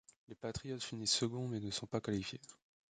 Les Patriots finissent second mais ne sont pas qualifiés.